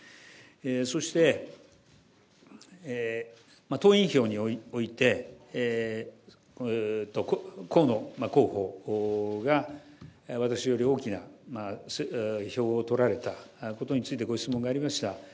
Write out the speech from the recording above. そして党員票において、河野候補が私より大きな票を取られたことについて、ご質問がありました。